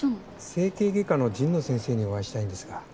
整形外科の神野先生にお会いしたいんですが。